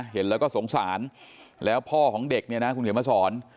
เห็นแล้วก็สงสารแล้วพ่อของเด็กเนี่ยนะคุณเขียนมาสอน